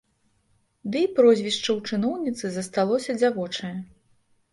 Ды і прозвішча ў чыноўніцы засталося дзявочае.